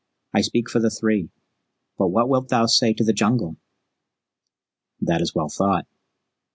I speak for the Three. But what wilt thou say to the Jungle?" "That is well thought.